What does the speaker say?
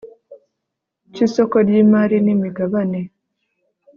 cy isoko ry imari n imigabane